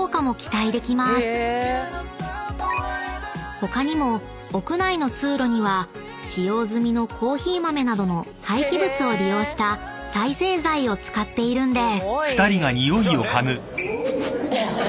［他にも屋内の通路には使用済みのコーヒー豆などの廃棄物を利用した再生材を使っているんです］